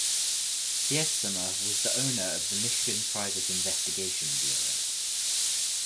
Sietsema was the owner of the Michigan Private Investigation Bureau.